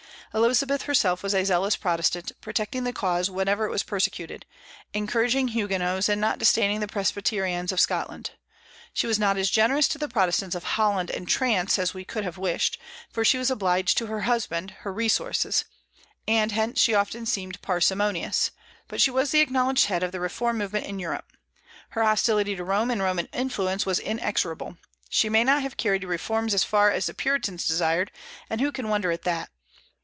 Elizabeth herself was a zealous Protestant, protecting the cause whenever it was persecuted, encouraging Huguenots, and not disdaining the Presbyterians of Scotland. She was not as generous to the Protestants of Holland and Trance as we could have wished, for she was obliged to husband her resources, and hence she often seemed parsimonious; but she was the acknowledged head of the reform movement in Europe. Her hostility to Rome and Roman influence was inexorable. She may not have carried reforms as far as the Puritans desired, and who can wonder at that?